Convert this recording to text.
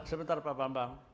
sebentar pak bambang